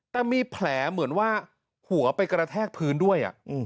แต่มีแผลเหมือนว่าหัวไปกระแทกพื้นด้วย